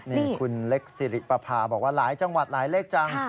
นี่คุณเล็กสิริปภาบอกว่าหลายจังหวัดหลายเลขจัง